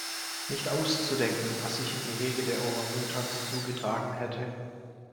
Nicht auszudenken, was sich im Gehege der Orang-Utans zugetragen hätte!